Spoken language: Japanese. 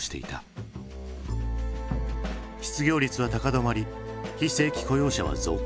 失業率は高止まり非正規雇用者は増加。